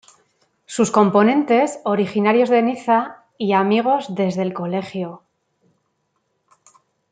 Sus componentes, originarios de Niza y amigos desde el colegio.